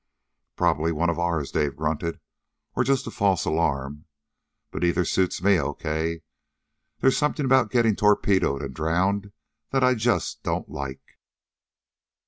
"Probably one of ours," Dave grunted. "Or just a false alarm. But either suits me okay. There's something about getting torpedoed and drowned that I just don't like."